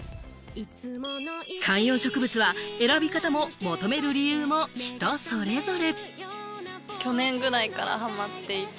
観葉植物は選び方も求める理由も人それぞれ。